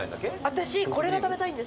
私これが食べたいんです。